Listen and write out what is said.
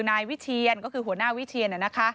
นายวิเชียนหัวหน้าวิเชียนนะคะ